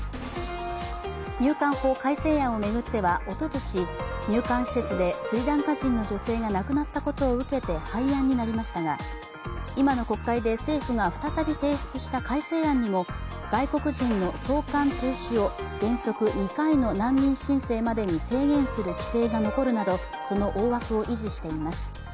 入管法改正案を巡ってはおととし、入管施設でスリランカ人の女性が亡くなったことを受けて廃案になりましたが、今の国会で政府が再び提出した改正案にも外国人の送還停止を原則２回の難民申請までに制限する規定が残るなど、その大枠を維持しています。